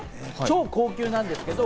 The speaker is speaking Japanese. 超高級なんですけど。